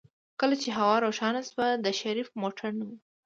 کله چې هوا روښانه شوه د شريف موټر نه و.